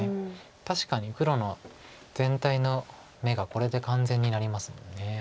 確かに黒の全体の眼がこれで完全になりますもんね。